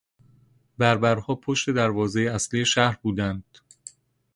بربرها پشت دروازهی اصلی شهر بودند.